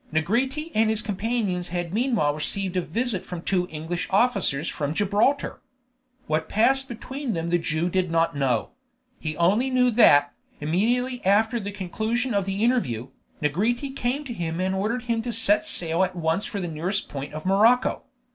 Negrete and his companions had meanwhile received a visit from two English officers from Gibraltar. What passed between them the Jew did not know; he only knew that, immediately after the conclusion of the interview, Negrete came to him and ordered him to set sail at once for the nearest point of Morocco.